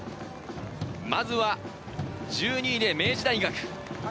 まずは１２位で明治大学。